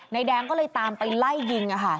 แดงก็เลยตามไปไล่ยิง